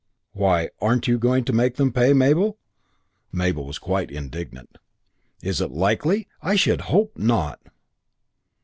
"Why, aren't you going to make them pay, Mabel?" Mabel was quite indignant. "Is it likely? I should hope not!"